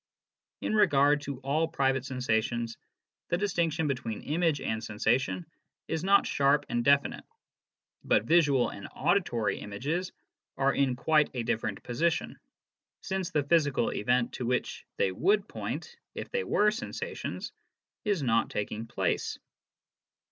In regard to all private sensations, the distinction between image and sensation is not sharp and definite. But visual and auditory images are in quite a different position, since the physical event to which they would point if they were sensations is not taking place.